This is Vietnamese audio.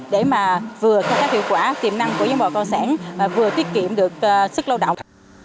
để mà vừa khai thác hiệu quả tiềm năng của những bà con sản vừa tiết kiệm được sức lao động